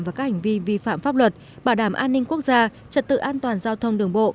và các hành vi vi phạm pháp luật bảo đảm an ninh quốc gia trật tự an toàn giao thông đường bộ